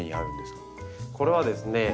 これはですね